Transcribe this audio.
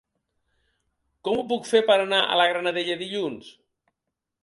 Com ho puc fer per anar a la Granadella dilluns?